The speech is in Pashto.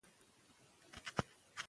که پوهه وي نو ماشوم نه بې لارې کیږي.